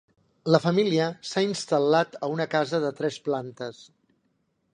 La família s'ha instal·lat a una casa de tres plantes.